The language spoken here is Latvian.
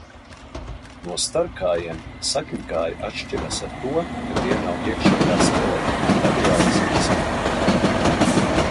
No starkājiem sakņkāji atšķiras ar to, ka tiem nav iekšējā skeleta un radiālas simetrijas.